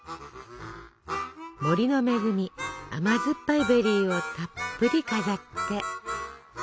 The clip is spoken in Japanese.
森の恵み甘酸っぱいベリーをたっぷり飾って。